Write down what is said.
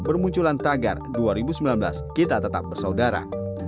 bermunculan tagar dua ribu sembilan belas kita tetap bersaudara